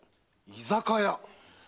居酒屋？